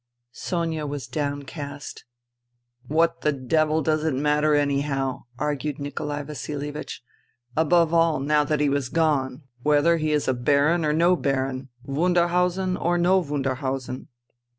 Sonia was downcast. " What the devil does it matter, anyhow," argued Nikolai Vasilievich, " above all now that he is gone, whether he is a baron or no baron, Wunderhausen or no Wunderhausen